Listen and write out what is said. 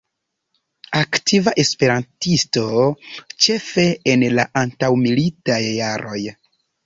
Aktiva E-isto ĉefe en la antaŭmilitaj jaroj.